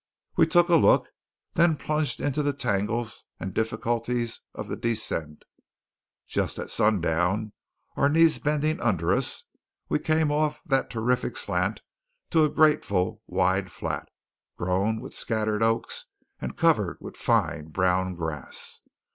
We took a look, then plunged into the tangles and difficulties of the descent. Just at sundown, our knees bending under us, we came off that terrific slant to a grateful wide flat, grown with scattered oaks, and covered with fine brown grass.